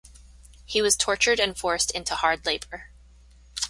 He was tortured and forced into hard labor.